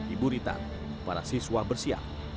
ibu ritan para siswa bersiap